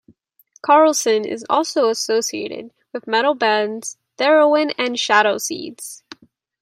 Karlsson is also associated with metal bands Therion and Shadowseeds.